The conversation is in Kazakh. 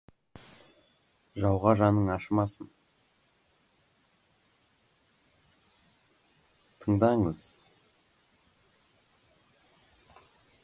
Жауға жаның ашымасын.